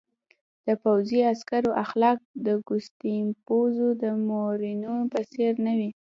د پوځي عسکرو اخلاق د ګوستاپو د مامورینو په څېر نه وو